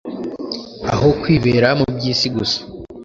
aho kwibera mu byisi gusa